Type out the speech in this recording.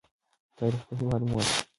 تاریخ د هېواد مور ده.